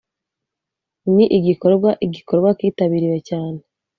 ni igikorwa igikorwa kitabiriwe cyane